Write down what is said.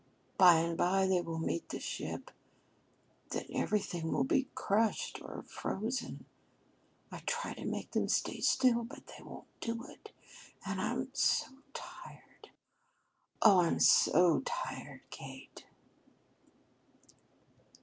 By and by they will meet the ship. Then everything will be crushed or frozen. I try to make them stay still, but they won't do it, and I'm so tired oh, I'm so terribly tired, Kate."